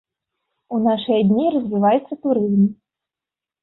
У нашы дні развіваецца турызм.